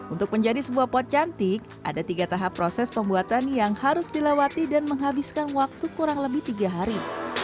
untuk menjadi sebuah pot cantik ada tiga tahap proses pembuatan yang harus dilewati dan menghabiskan waktu kurang lebih tiga hari